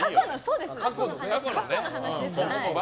過去の話ですから。